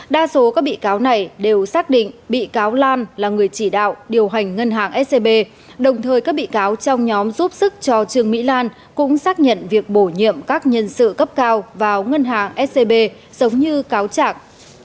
đa số các bị cáo này đều xác định bị cáo lan là người chỉ đạo điều hành ngân hàng scb đồng thời các bị cáo trong nhóm giúp sức cho trương mỹ lan cũng xác nhận việc bổ nhiệm các nhân sự cấp cao vào ngân hàng scb giống như cáo trạng